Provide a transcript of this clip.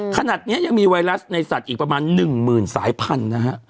ขณะนี้ยังมีไวรัสในสัตว์อีกประมาณ๑หมื่นสายพันธุ์นะฮะ